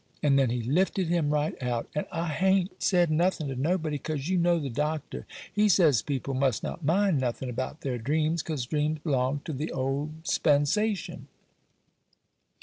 And then He lifted him right out. And I ha'n't said nothing to nobody, 'cause you know the Doctor,—he says people must not mind nothing about their dreams, 'cause dreams belong to the old 'spensation.